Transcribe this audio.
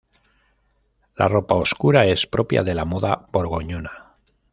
La ropa oscura es propia de la moda borgoñona.